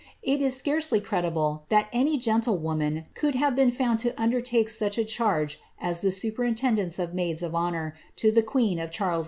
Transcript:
It is y credible that any gentlewomen could have been found to un ; such a charge as the superintendence of maids of honour to the of Charles II.